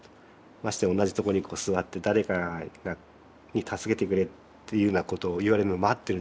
まして同じとこに座って誰かに助けてくれっていうようなことを言われるの待ってるんじゃ遅いんだと。